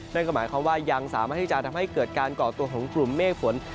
นั่นก็หมายความว่ายังสามารถที่จะทำให้เกิดการก่อตัวของกลุ่มเมฆฝน